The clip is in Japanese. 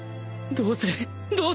どうする！？